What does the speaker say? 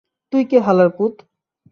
তুই কে হালার পুত?